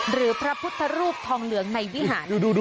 หรือพระพุทธรูปทองเหลืองในวิหาร